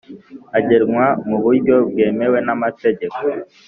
agenwa mu buryo bwemewe n amategeko